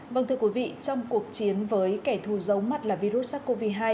vâng thưa quý vị trong cuộc chiến với kẻ thù giấu mặt là virus sars cov hai